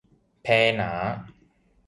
坪林